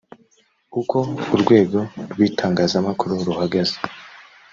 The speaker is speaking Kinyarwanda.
uko urwego rw’itangazamakuru ruhagaze